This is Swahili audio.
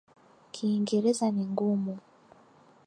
Kiingereza ni ngumu